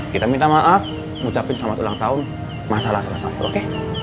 kita minta maaf ngucapin selamat ulang tahun masalah selesai